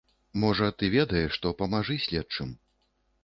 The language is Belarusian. Можа, ты ведаеш, то памажы следчым.